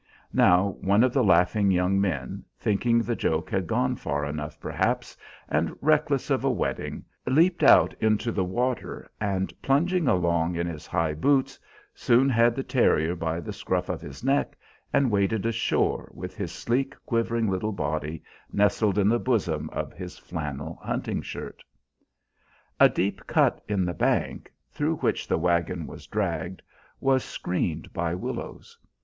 Now one of the laughing young men, thinking the joke had gone far enough perhaps, and reckless of a wetting, leaped out into the water, and, plunging along in his high boots, soon had the terrier by the scruff of his neck, and waded ashore with his sleek, quivering little body nestled in the bosom of his flannel hunting shirt. A deep cut in the bank, through which the wagon was dragged, was screened by willows.